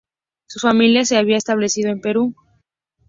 Su familia se había establecido en Perú.